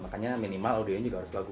makanya minimal audionya juga harus bagus